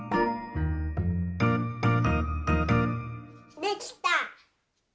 できた！